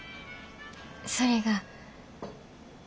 それが。